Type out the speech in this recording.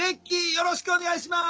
よろしくお願いします！